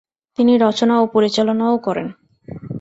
তিনি রচনা ও পরিচালনাও করেন।